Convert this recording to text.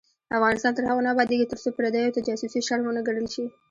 افغانستان تر هغو نه ابادیږي، ترڅو پردیو ته جاسوسي شرم ونه ګڼل شي.